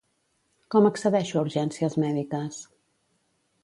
Com accedeixo a urgències mèdiques?